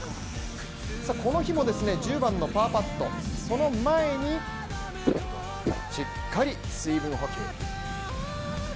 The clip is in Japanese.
この日も１０番のパーパット、その前にしっかり水分補給。